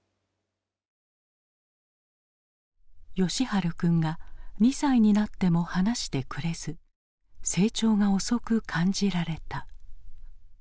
喜春君が２歳になっても話してくれず成長が遅く感じられた。